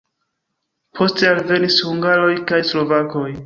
Poste alvenis hungaroj kaj slovakoj.